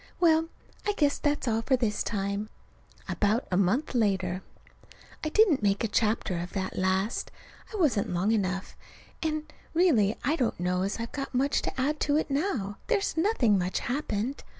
Well, I guess that's all for this time. About a month later. I didn't make a chapter of that last. It wasn't long enough. And, really, I don't know as I've got much to add to it now. There's nothing much happened.